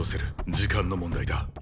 時間の問題だ。